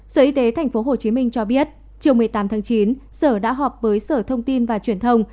sở y tế tp hcm cho biết chiều một mươi tám tháng chín sở đã họp với sở thông tin và truyền thông